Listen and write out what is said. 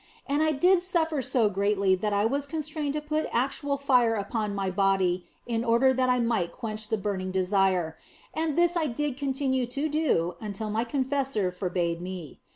And I did suffer so greatly that I was constrained to put actual fire upon my body in order that it might quench the burning of desire ; and this I did continue to do until my confessor forbade me.